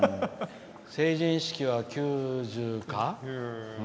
成人式は９０か？